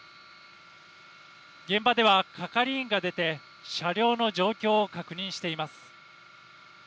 現場では係員が出て、車両の状況を確認しています。